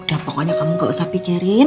dah pokoknya kamu gak usah pikirin